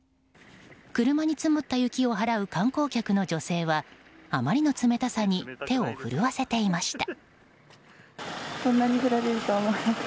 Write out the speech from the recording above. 車に積もった雪を払う観光客の女性はあまりの冷たさに手を震わせていました。